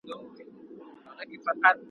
او زما شکر له خپل زړه سره پیوند دی ,